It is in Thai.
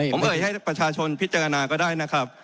ผมเอ่ยให้ประชาชนพิจารณาก็ได้นะครับ